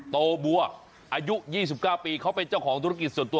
โตบัวอายุ๒๙ปีเขาเป็นเจ้าของธุรกิจส่วนตัว